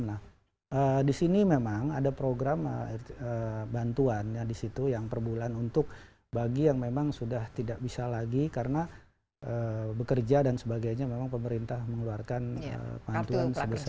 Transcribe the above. nah disini memang ada program bantuan yang disitu yang perbulan untuk bagi yang memang sudah tidak bisa lagi karena bekerja dan sebagainya memang pemerintah mengeluarkan bantuan sebesar